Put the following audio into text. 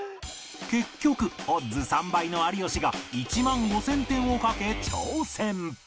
結局オッズ３倍の有吉が１万５０００点を賭け挑戦